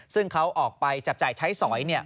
ซึ่งเขาออกไปจับจ่ายใช้สอย